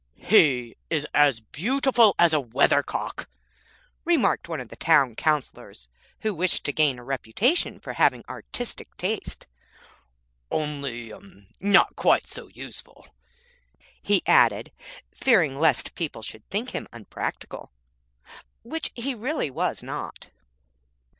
'He is as beautiful as a weathercock,' remarked one of the Town Councillors who wished to gain a reputation for having artistic taste; 'only not quite so useful,' he added, fearing lest people should think him unpractical, which he really was not.